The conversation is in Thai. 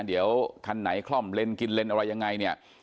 เดี๋ยวคันไหนคล่อมเลนกินเลนอะไรยังไงเนี่ย